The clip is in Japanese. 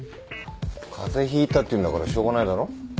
風邪ひいたっていうんだからしょうがないだろ。